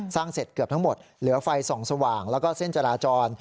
เสร็จเกือบทั้งหมดเหลือไฟส่องสว่างแล้วก็เส้นจราจร